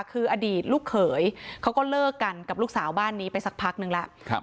คืออดีตลูกเขยเขาก็เลิกกันกับลูกสาวบ้านนี้ไปสักพักนึงแล้ว